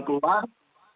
yang memberikan jalan keluar